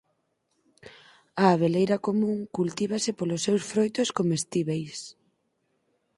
A abeleira común cultívase polos seus froitos comestíbeis.